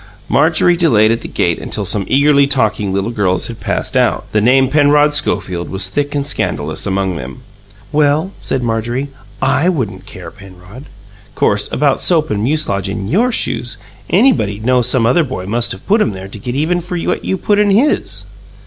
Marjorie delayed at the gate until some eagerly talking little girls had passed out. The name "Penrod Schofield" was thick and scandalous among them. "Well," said Marjorie, "I wouldn't care, Penrod. 'Course, about soap and mucilage in YOUR shoes, anybody'd know some other boy must of put 'em there to get even for what you put in his."